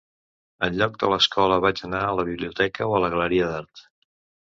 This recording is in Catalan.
En lloc de l'escola vaig anar a la biblioteca o a la galeria d'art.